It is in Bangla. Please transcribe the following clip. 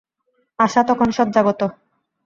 আশা তখন শয্যাগত।